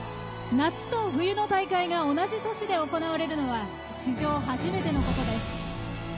夏と冬の大会が同じ都市で行われるのは史上初めてのことです。